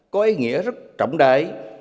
có ý nghĩa rất trọng đại